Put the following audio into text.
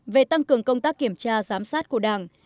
về tăng cường công tác kiểm tra giám sát của đảng